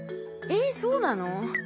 えそうなの？